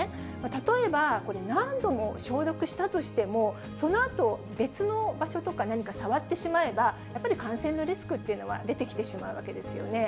例えばこれ、何度も消毒したとしても、そのあと別の場所とか、何か触ってしまえば、やっぱり感染のリスクっていうのは出てきてしまうわけですよね。